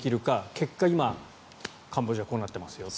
結果、今、カンボジアはこうなっていますと。